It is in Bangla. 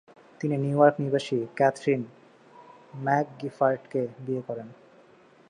তিনি নিউইয়র্ক নিবাসী ক্যাথরিন ম্যাকগিফার্টকে বিয়ে করেন।